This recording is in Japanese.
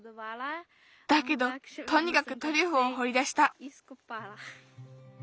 だけどとにかくトリュフをほりだした。